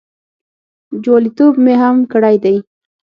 جوالیتوب مې هم کړی دی.